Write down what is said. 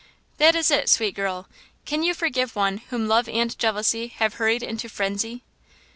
That is it, sweet girl. Can you forgive one whom love and jealousy have hurried into frenzy?"